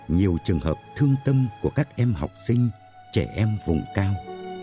nhiều trường hợp thương tâm của các em học sinh trẻ em vùng cao